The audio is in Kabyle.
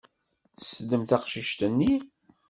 Tessnem taqcict-nni?